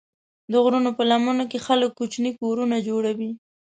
د غرونو په لمنو کې خلک کوچني کورونه جوړوي.